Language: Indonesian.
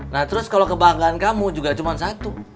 nah terus kalau kebanggaan kamu juga cuma satu